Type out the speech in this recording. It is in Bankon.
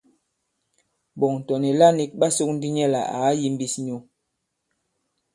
Ɓɔ̀ŋ tɔ̀ nìla nīk ɓa sōk ndī nyɛ lā à kayīmbīs nyu.